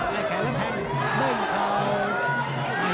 เบิ่งเขา